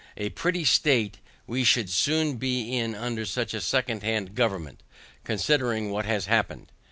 A pretty state we should soon be in under such a second hand government, considering what has happened!